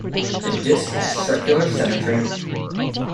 The disk has circular symmetry.